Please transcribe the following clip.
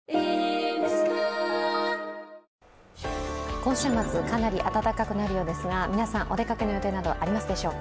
今週末、かなり暖かくなるようですが、皆さん、お出かけの予定などありますでしょうか。